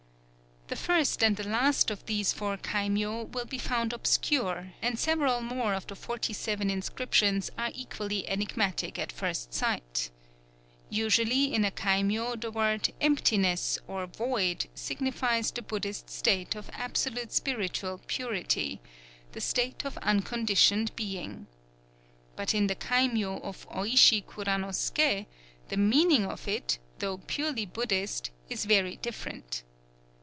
_" The first and the last of these four kaimyō will be found obscure; and several more of the forty seven inscriptions are equally enigmatic at first sight. Usually in a kaimyō the word "Emptiness," or "Void," signifies the Buddhist state of absolute spiritual purity, the state of Unconditioned Being. But in the kaimyō of Ōïshi Kuranosuké the meaning of it, though purely Buddhist, is very different.